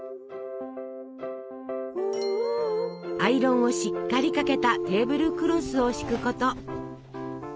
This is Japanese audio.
アイロンをしっかりかけたテーブルクロスを敷くこと。